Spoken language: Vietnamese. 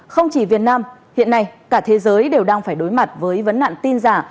không chỉ việt nam hiện nay cả thế giới đều đang phải đối mặt với vấn nạn tin giả